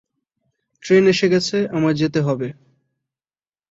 Train এসে গেছে, আমায় যেতে হবে।